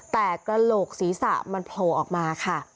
แต่กระโหลกศีรษะมันโผล่ออกมาค่ะ